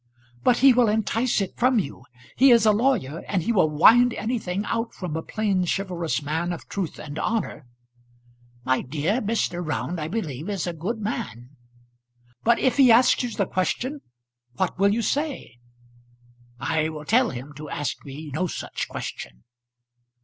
"But he will entice it from you! He is a lawyer, and he will wind anything out from a plain, chivalrous man of truth and honour." "My dear, Mr. Round I believe is a good man." "But if he asks you the question, what will you say?" "I will tell him to ask me no such question."